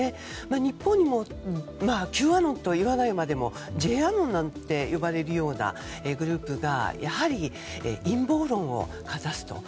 日本にもＱアノンといわないまでも、Ｊアノンと呼ばれるようなグループがやはり陰謀論をかざすと。